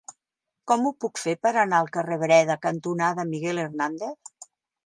Com ho puc fer per anar al carrer Breda cantonada Miguel Hernández?